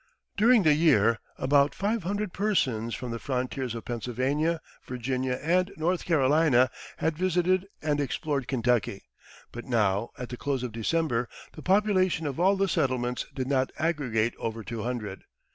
During the year about five hundred persons from the frontiers of Pennsylvania, Virginia, and North Carolina had visited and explored Kentucky; but now, at the close of December, the population of all the settlements did not aggregate over two hundred.